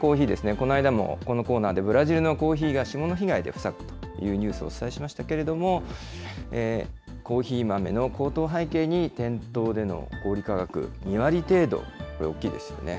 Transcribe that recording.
この間もこのコーナーでブラジルのコーヒーが霜の被害で不作というニュースをお伝えしましたけれども、コーヒー豆の高騰背景に店頭での小売り価格２割程度、これ大きいですよね。